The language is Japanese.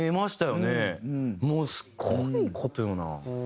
もうすごい事よな。